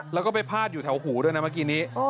แล้วก็ไปพาดอยู่แถวหูด้วยนะเมื่อกี้นี้